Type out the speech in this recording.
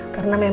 karena memang ya